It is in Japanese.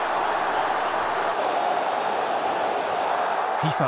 ＦＩＦＡ